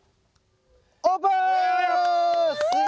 オープン！わ！